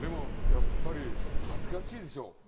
やっぱり恥ずかしいでしょ。